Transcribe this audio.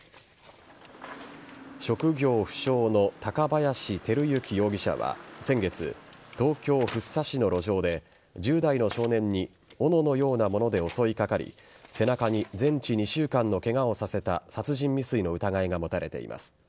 職業不詳の高林輝行容疑者は先月、東京・福生市の路上で１０代の少年におののようなもので襲いかかり背中に全治２週間のケガをさせた殺人未遂の疑いが持たれています。